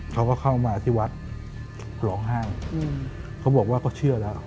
เขาก็เข้ามาที่วัดร้องไห้เขาบอกว่าเขาเชื่อแล้ว